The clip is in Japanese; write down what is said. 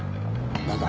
何だ？